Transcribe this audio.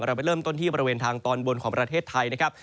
ไปเริ่มต้นที่บริเวณทางตอนบนของประเทศไทยนะครับ